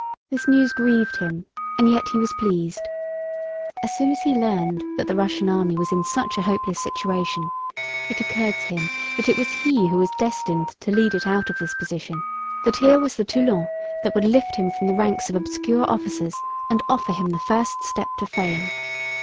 This news grieved him and yet he was pleased. As soon as he learned that the Russian army was in such a hopeless situation it occurred to him that it was he who was destined to lead it out of this position; that here was the Toulon that would lift him from the ranks of obscure officers and offer him the first step to fame!